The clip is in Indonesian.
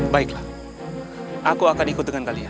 baiklah aku akan ikut dengan kalian